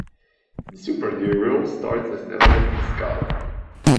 The supraneural starts as an element of the skull.